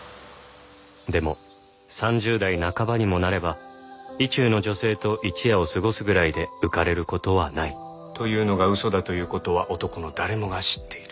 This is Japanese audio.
でも３０代半ばにもなれば意中の女性と一夜を過ごすぐらいで浮かれる事はないというのが嘘だという事は男の誰もが知っている。